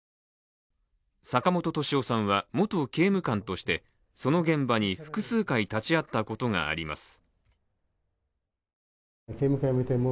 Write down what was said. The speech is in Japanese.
坂本敏夫さんは、元刑務官としてその現場に複数回立ち会ったことがあります。